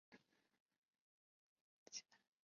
用于往有机分子中引入叠氮基团。